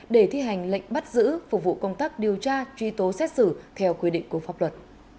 để thi hành lệnh bắt giữ phục vụ công tác điều tra truy tố xét xử theo quy định của pháp luật